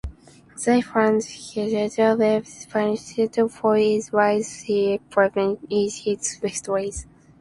They find Herodotus being eternally punished for the "lies" he published in his "Histories".